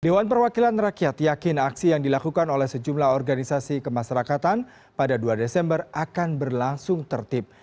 dewan perwakilan rakyat yakin aksi yang dilakukan oleh sejumlah organisasi kemasyarakatan pada dua desember akan berlangsung tertib